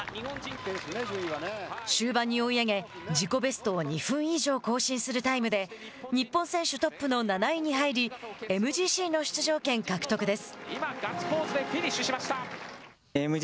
終盤に追い上げ自己ベストを２分以上更新するタイムで日本選手トップの７位に入り、ＭＧＣの出場権獲得です。